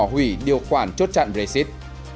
hủy điều khoản chốt chặn brexit